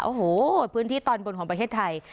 โอ้โหพื้นที่ตอนบนของประเทศไทย